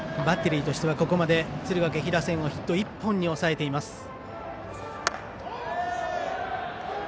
バッテリーとしてはここまで敦賀気比打線をヒット１本で抑えています。